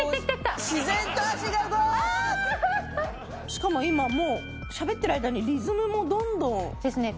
しかも今もうしゃべってる間にリズムもどんどん。ですね。